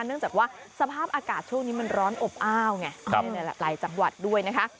เนื่องจากว่าสภาพอากาศช่วงนี้มันร้อนอบอ้าวไงในหลายจังหวัดด้วยนะคะ